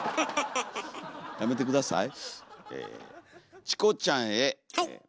やめて下さい。